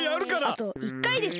あと１かいですよ。